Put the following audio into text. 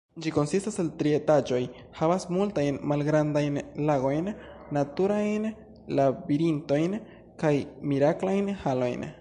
Ĝi konsistas el tri etaĝoj, havas multajn malgrandajn lagojn, naturajn labirintojn kaj miraklajn halojn.